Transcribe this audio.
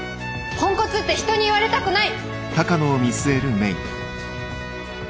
ポンコツって人に言われたくない。